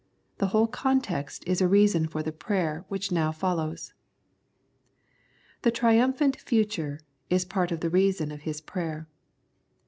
The whole context is a reason for the prayer which now follows. The Triumphant Future is part of the reason of his prayer.